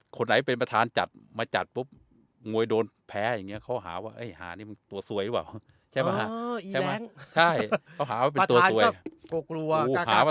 คนไหนเป็นประธานจัดมาจัดปุ๊บงวยโดนแพ้อย่างเงี้ยเขาหาว่ามันตัวสวยหรอ